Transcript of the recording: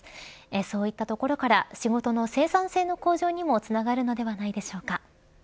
そういったところから仕事の生産性の向上にもつながるのではないでしょうか。